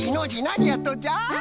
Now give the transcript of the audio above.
なにやっとんじゃ？